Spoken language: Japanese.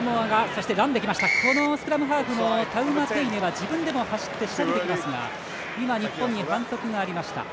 スクラムハーフのタウマテイネは自分でも走って仕掛けてきますが日本に反則がありました。